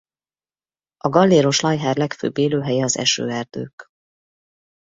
A galléros lajhár legfőbb élőhelye az esőerdők.